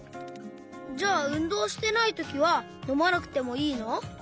じゃあうんどうしてないときはのまなくてもいいの？